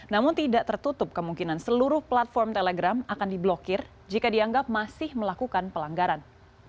namun tidak tertutup kemungkinan seluruh platform telegram akan diblokir jika dianggap masih melakukan pelanggaran